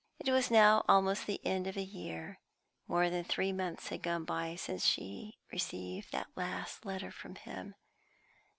It was now almost the end of the year; more than three months had gone by since she received that last letter from him.